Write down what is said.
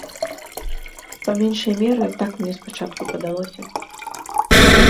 Па меншай меры, так мне спачатку падалося.